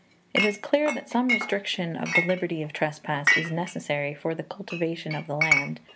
It is clear that some restriction of the liberty of trespass is necessary for the cultivation of the land.